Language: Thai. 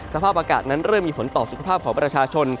สภาพอากาศนั้นเริ่มมีผลต่อสุขภาพของประชาชน